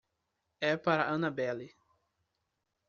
É para a Annabelle.